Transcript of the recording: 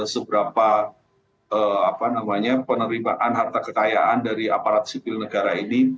seberapa penerimaan harta kekayaan dari aparat sipil negara ini